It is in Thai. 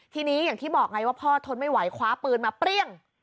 ทีนี้อย่างที่บอกไงว่าพ่อทนไม่ไหวคว้าปืนมาเปรี้ยง